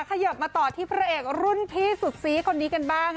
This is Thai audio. ขยับมาต่อที่พระเอกรุ่นพี่สุดซีคนนี้กันบ้าง